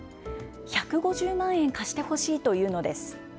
１５０万円貸してほしいと言うのです。